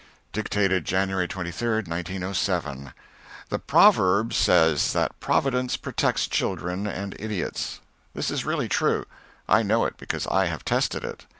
[Dictated, January 23, 1907.] The proverb says that Providence protects children and idiots. This is really true. I know it because I have tested it.